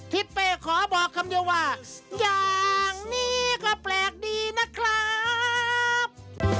ทิศเป้ขอบอกคำเดียวว่าอย่างนี้ก็แปลกดีนะครับ